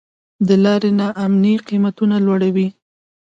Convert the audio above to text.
د لارو نا امني قیمتونه لوړوي.